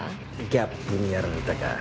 ギャップにやられたか。